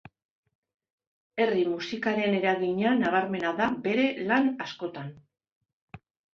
Herri-musikaren eragina nabarmena da bere lan askotan.